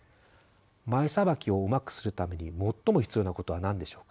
前さばきをうまくするために最も必要なことは何でしょうか。